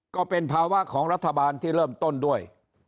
ก็เป็นภาวะของรัฐบาลที่เริ่มต้นด้วย